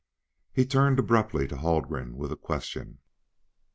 He turned abruptly to Haldgren with a question.